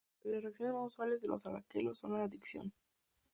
Las reacciones más usuales de los alquenos son las de adición.